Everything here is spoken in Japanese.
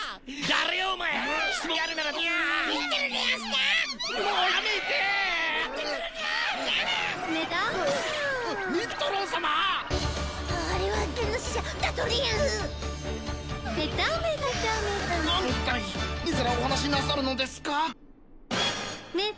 自らお話しなさるのですか。